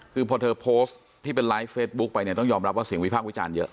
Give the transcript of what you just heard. คือพอเธอโพสต์ที่เป็นไลฟ์เฟซบุ๊คไปเนี่ยต้องยอมรับว่าเสียงวิพากษ์วิจารณ์เยอะ